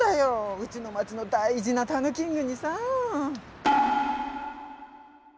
うちの町の大事なたぬキングにさ。